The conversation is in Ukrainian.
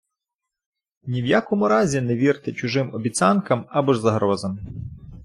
Ні в якому разі не вірте чужим обіцянкам або ж загрозам.